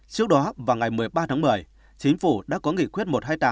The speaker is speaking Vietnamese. trước đó vào ngày một mươi ba tháng một mươi chính phủ đã có nghị quyết một trăm hai mươi tám